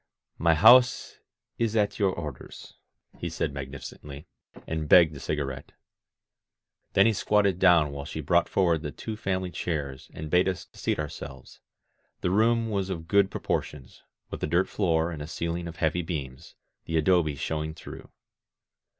"My house is at your orders," he said magnificently, and begged a cigarette. Then he squatted down while she brought forward the two family chairs and bade us seat our selves. The room was of good proportions, with a dirt floor and a ceiling of heavy beams, the adobe showing through.